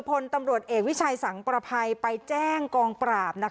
พลตำรวจเอกวิชัยสังประภัยไปแจ้งกองปราบ